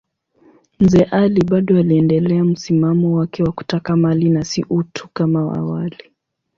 Mzee Ali bado aliendelea msimamo wake wa kutaka mali na si utu kama awali.